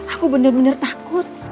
aku benar benar takut